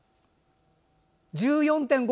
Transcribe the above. １４．５！